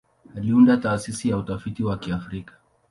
Aliunda Taasisi ya Utafiti wa Kiafrika.